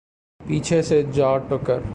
پیچھے سے جا ٹکر